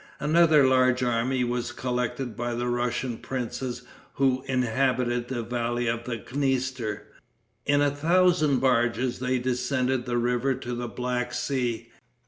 Another large army was collected by the Russian princes who inhabited the valley of the Dniester. In a thousand barges they descended the river to the Black Sea.